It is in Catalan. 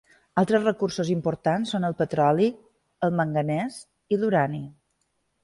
Altres recursos importants són el petroli, el manganès i l'urani.